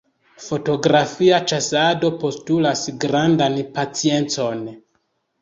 Fotografia ĉasado postulas grandan paciencon.